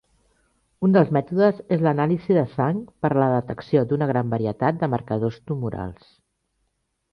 Un dels mètodes és l'anàlisi de sang per a la detecció d'una gran varietat de marcadors tumorals.